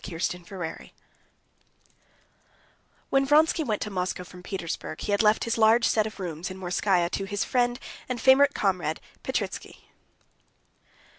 Chapter 34 When Vronsky went to Moscow from Petersburg, he had left his large set of rooms in Morskaia to his friend and favorite comrade Petritsky.